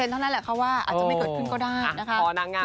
เท่านั้นแหละค่ะว่าอาจจะไม่เกิดขึ้นก็ได้นะคะ